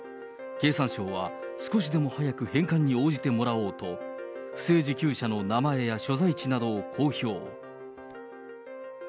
経産省は、少しでも早く返還に応じてもらおうと、不正受給者の名前や所在地などを公表。